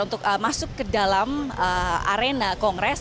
untuk masuk ke dalam arena kongres